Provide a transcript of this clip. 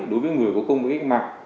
đối với người có công với cách mạng